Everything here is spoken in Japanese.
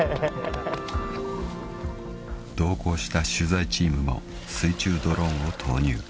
［同行した取材チームも水中ドローンを投入］